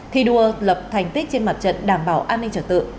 thi đua lập thành tích trên mặt trận đảm bảo an ninh trật tự